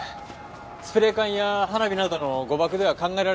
スプレー缶や花火などの誤爆では考えられません。